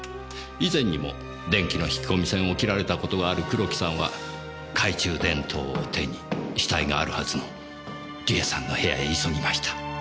以前にも電気の引き込み線を切られたことがある黒木さんは懐中電灯を手に死体があるはずの梨絵さんの部屋へ急ぎました。